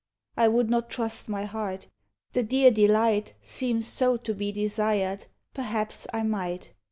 I would not trust my heart, — the dear delight Seems so lo be desired, perhaps I might.